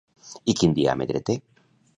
I quin diàmetre té?